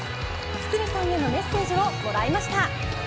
堤さんへのメッセージをもらいました。